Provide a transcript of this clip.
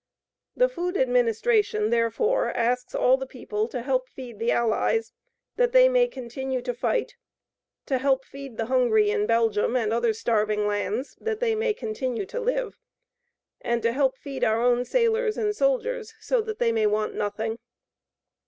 The Food Administration, therefore, asks all the people to help feed the Allies that they may continue to fight, to help feed the hungry in Belgium and other starving lands that they may continue to live, and to help feed our own sailors and soldiers so that they may want nothing.